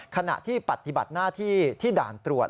ขณะที่ปฏิบัติหน้าที่ที่ด่านตรวจ